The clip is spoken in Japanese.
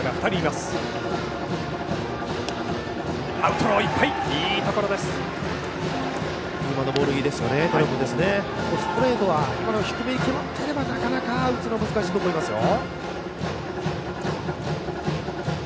ストレートは今の低めに決まっていればなかなか打つのは難しいと思いますよ。